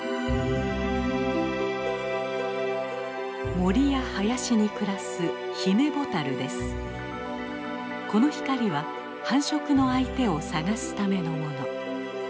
森や林に暮らすこの光は繁殖の相手を探すためのもの。